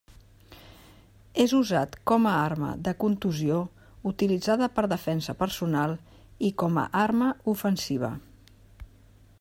És usat com a arma de contusió utilitzada per defensa personal i com arma ofensiva.